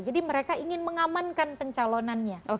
jadi mereka ingin mengamankan pencalonannya